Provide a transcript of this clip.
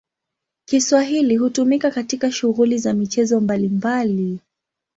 Kiswahili hutumika katika shughuli za michezo mbalimbali.